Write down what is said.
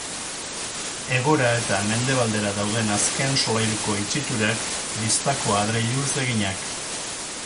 Hegora eta mendebaldera dauden azken solairuko itxiturak, bistako adreiluz eginak.